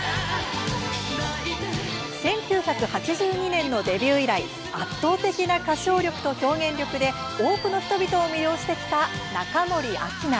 １９８２年のデビュー以来圧倒的な歌唱力と表現力で多くの人々を魅了してきた中森明菜。